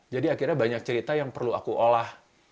jadi akhirnya banyak cerita yang perlu aku olah